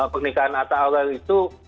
pernikahan atau oral itu